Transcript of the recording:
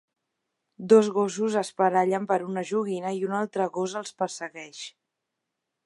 Dos gossos es barallen per una joguina i un altre gos els persegueix.